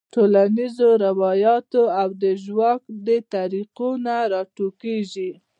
ټولنیزو رواياتو او د ژواک د طريقو نه راټوکيږي -